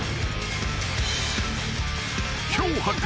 ［今日発覚。